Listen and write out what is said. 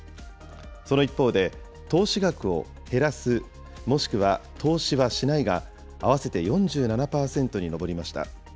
その一方で、投資額を減らす、もしくは投資はしないが合わせて４７％に上りました。